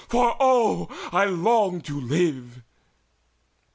for O, I long to live!"